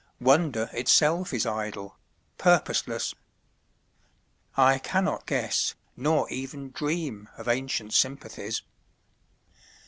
Wonder itself is idle, purposeless; I cannot guess Nor even dream of ancient sympathies.